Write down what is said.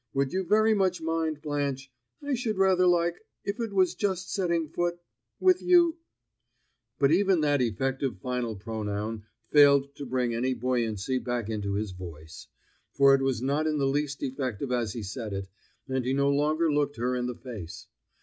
Would you very much mind, Blanche? I should rather like if it was just setting foot with you " But even that effective final pronoun failed to bring any buoyancy back into his voice; for it was not in the least effective as he said it, and he no longer looked her in the face.